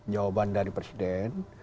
jawaban dari presiden